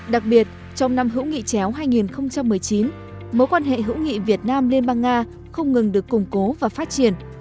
đặc biệt trong năm hữu nghị chéo hai nghìn một mươi chín mối quan hệ hữu nghị việt nam liên bang nga không ngừng được củng cố và phát triển